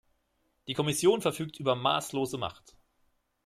Die Kommission verfügt über maßlose Macht.